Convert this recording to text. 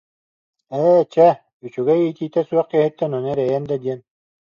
Ээ, чэ, үчүгэй иитиитэ суох киһиттэн ону эрэйэн да диэн